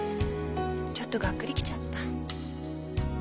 ちょっとガックリ来ちゃった。